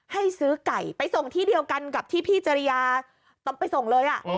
ให้ซื้อไก่ไปส่งที่เดียวกันกับที่พี่จริยาต้องไปส่งเลย